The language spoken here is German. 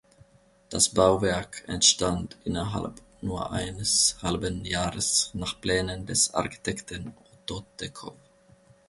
Das Bauwerk entstand innerhalb nur eines halben Jahres nach Plänen des Architekten Otto Techow.